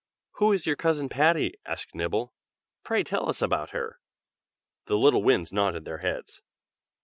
"Who is your cousin Patty?" asked Nibble. "Pray tell us about her." The little Winds nodded their heads.